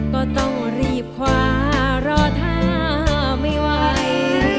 ก็ต้องรีบคว้ารอถ้าไม่ไหว